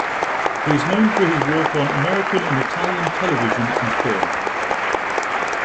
He is known for his work on American and Italian television and film.